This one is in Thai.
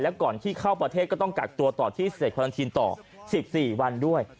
ก่อนที่เข้าประเทศก็ต้องกักตัวต่อที่สเตจควารันทีนต่อ๑๔วันด้วย